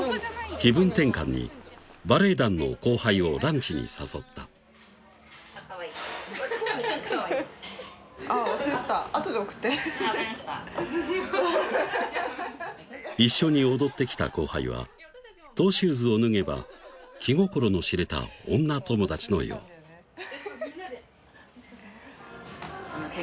気分転換にバレエ団の後輩をランチに誘ったあっかわいいかわいいあっ忘れてたあとで送って分かりました一緒に踊ってきた後輩はトウシューズを脱げば気心の知れた女友達のようえぇ！